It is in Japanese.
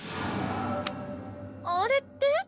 あれって？